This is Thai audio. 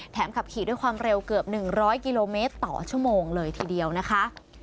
ขับขี่ด้วยความเร็วเกือบ๑๐๐กิโลเมตรต่อชั่วโมงเลยทีเดียวนะคะ